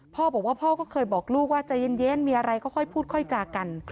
พ่อบอกว่าพ่อก็เคยบอกลูกว่าใจเย็นมีอะไรค่อยพูดค่อยจากัน